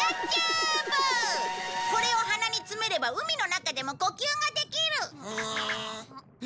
これを鼻に詰めれば海の中でも呼吸ができる。